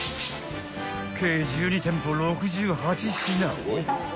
［計１２店舗６８品を制覇］